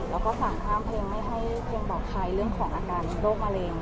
แล้วก็สั่งห้ามเพลงไม่ให้เพลงบอกใครเรื่องของอาการโรคมะเร็ง